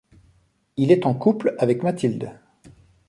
Il est en couple avec Mathilde.